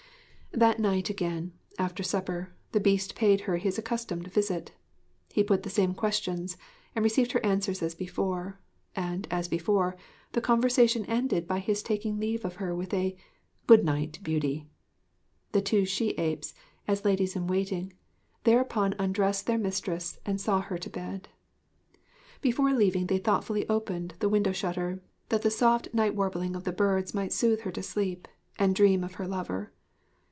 That night again, after supper, the Beast paid her his accustomed visit. He put the same questions, and received her answers as before; and, as before, the conversation ended by his taking leave of her with a 'Good night, Beauty.' The two she apes, as ladies in waiting, thereupon undressed their mistress and saw her to bed. Before leaving they thoughtfully opened the window shutter, that the soft night warbling of the birds might soothe her to sleep and dream of her lover.